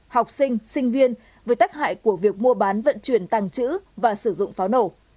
học sinh sinh viên với tách hại của việc mua bán vận chuyển tàng chữ và sử dụng pháo nổ